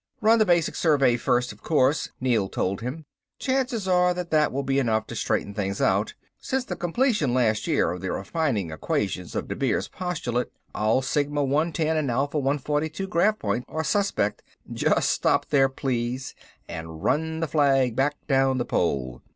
"Run the basic survey first, of course," Neel told him. "Chances are that that will be enough to straighten things out. Since the completion last year of the refining equations of Debir's Postulate, all sigma 110 and alpha 142 graph points are suspect " "Just stop there please, and run the flag back down the pole."